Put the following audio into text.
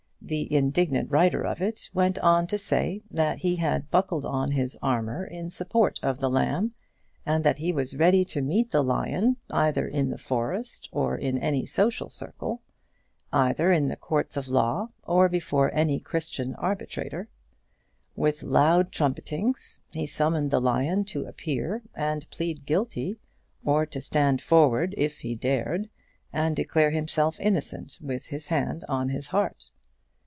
The indignant writer of it went on to say that he had buckled on his armour in support of the lamb, and that he was ready to meet the lion either in the forest or in any social circle; either in the courts of law or before any Christian arbitrator. With loud trumpetings, he summoned the lion to appear and plead guilty, or to stand forward, if he dared, and declare himself innocent with his hand on his heart.